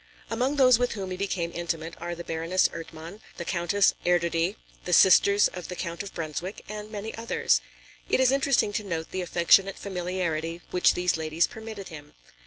Among those with whom he became intimate are the Baroness Ertmann, the Countess Erdödy, the sisters of the Count of Brunswick and many others. It is interesting to note the affectionate familiarity which these ladies permitted him.